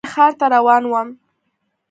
کله چې ښار ته روان وم .